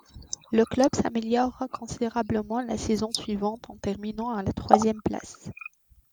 Le club s'améliore considérablement la saison suivante en terminant à la troisième place.